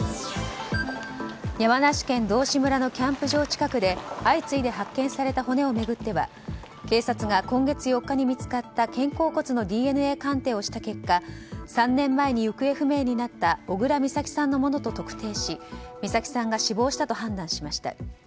山梨県道志村のキャンプ場近くで相次いで発見された骨を巡っては警察が、今月４日に見つかった肩甲骨のＤＮＡ鑑定をした結果３年前に行方不明になった小倉美咲さんのものと特定し美咲さんが死亡したと判断しました。